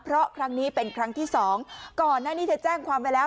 เพราะครั้งนี้เป็นครั้งที่สองก่อนหน้านี้เธอแจ้งความไปแล้ว